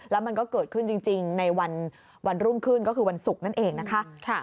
แล้วมันก็เกิดขึ้นจริงในวันรุ่งขึ้นก็คือวันศุกร์นั่นเองนะคะ